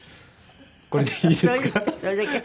これでいいですか？